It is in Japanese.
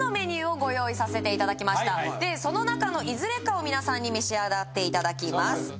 こちらはですねでその中のいずれかを皆さんに召し上がっていただきます